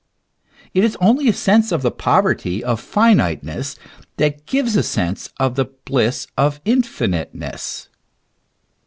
It is only a sense of the poverty of finiteness that gives a sense of the hliss of infiniteness.